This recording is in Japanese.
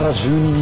人